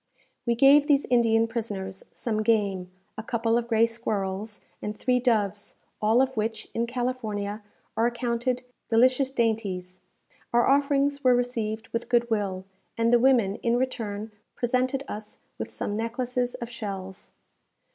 We gave these Indian prisoners some game, a couple of gray squirrels, and three doves, all of which, in California, are accounted delicious dainties. Our offerings were received with good will, and the women, in return, presented us with some necklaces of shells.